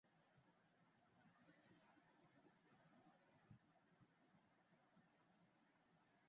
তিনিই সর্বপ্রথম জীবের পূর্ণ শ্রেণিবিন্যাসের এবং নামকরণের ভিত্তি প্রবর্তন করেন।